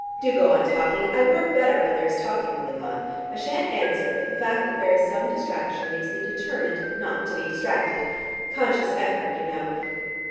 Do go on talking. I work better when there is talking going on. I shan't answer, but the fact that there is some distraction makes me determined not to be distracted. Conscious effort, you know...."